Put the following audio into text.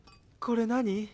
これ何？